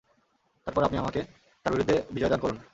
তারপর আপনি আমাকে তার বিরুদ্ধে বিজয় দান করুন।